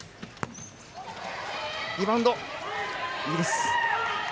リバウンドはイギリス。